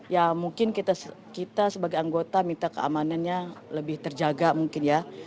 ya mungkin kita sebagai anggota minta keamanannya lebih terjaga mungkin ya